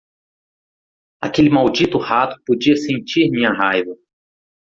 Aquele maldito rato podia sentir minha raiva.